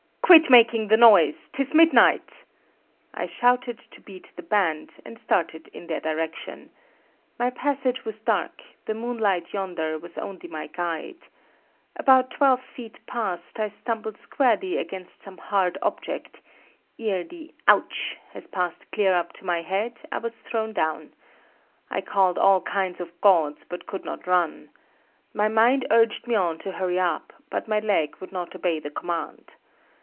"Quit making the noise! 'Tis midnight!" I shouted to beat the band, and started in their direction. My passage was dark; the moonlight yonder was only my guide. About twelve feet past, I stumbled squarely against some hard object; ere the "Ouch!" has passed clear up to my head, I was thrown down. I called all kinds of gods, but could not run. My mind urged me on to hurry up, but my leg would not obey the command.